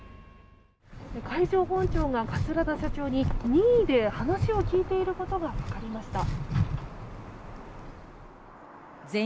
海上保安庁が桂田社長に任意で話を聞いていることが分かりました。